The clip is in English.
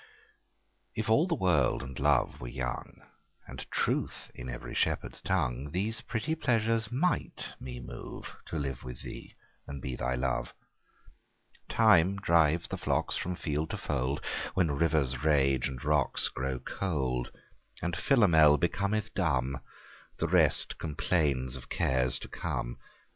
F all the world and love were young, And truth in every shepherd's tongue, These pretty pleasures might me move To live with thee and be thy love. Time drives the flocks from field to fold, When rivers rage and rocks grow cold; And Philomel becometh dumb; The rest complains of cares to come.